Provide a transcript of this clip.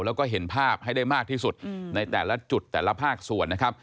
แล้วก็เห็นภาพให้ได้มากที่สุดในแต่ละจุดแต่ละภาคส่วนนะครับ